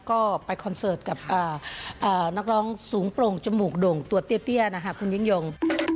ก็ไปคอนเสิร์ตกับนักร้องสูงโปร่งจมูกโด่งตัวเตี้ยนะคะคุณยิ่งยง